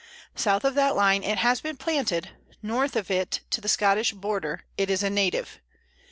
South of that line it has been planted; north of it to the Scottish border it is a native.